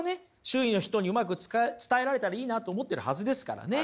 周囲の人にうまく伝えられたらいいなと思ってるはずですからね。